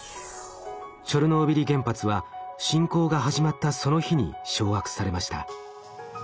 チョルノービリ原発は侵攻が始まったその日に掌握されました。